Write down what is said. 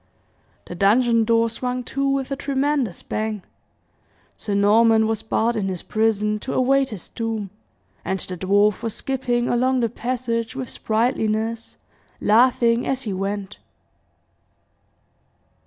The dungeon door swung to with a tremendous bang Sir Norman was barred in his prison to await his doom and the dwarf was skipping along the passage with sprightliness, laughing as he went.